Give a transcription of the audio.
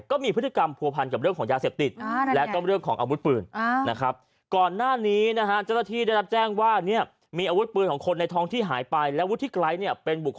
ก็มีพฤติกรรมผัวผันกับเรื่องของยาเสพติด